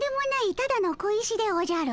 ただの小石でおじゃる。